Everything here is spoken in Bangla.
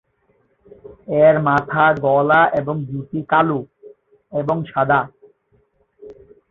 এর মাথা, গলা এবং ঝুঁটি কালো এবং সাদা।